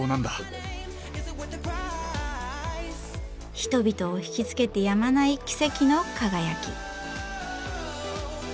人々を惹きつけてやまない奇跡の輝き。